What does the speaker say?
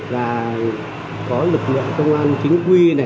và có lực lượng công an chính quy